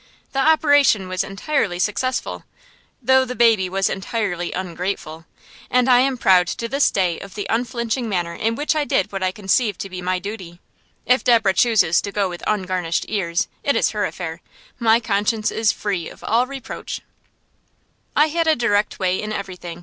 The operation was entirely successful, though the baby was entirely ungrateful. And I am proud to this day of the unflinching manner in which I did what I conceived to be my duty. If Deborah chooses to go with ungarnished ears, it is her affair; my conscience is free of all reproach. [Illustration: WINTER SCENE ON THE DVINA] I had a direct way in everything.